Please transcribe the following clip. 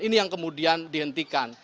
ini yang kemudian dihentikan